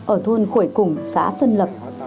ở thôn khuẩy củng xã xuân lập